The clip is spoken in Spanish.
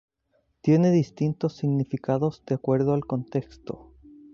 Tiene distintos significados de acuerdo al contexto.